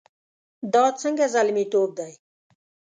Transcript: دا څنګه زلميتوب دی؟